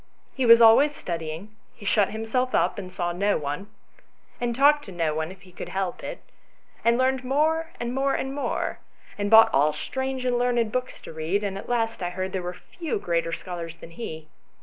He was always studying : he shut himself up and saw no one, and talked to no one if he could help it, and learned more and more and more, and bought all strange and learned books to read, and at last I heard that there were few greater scholars than he.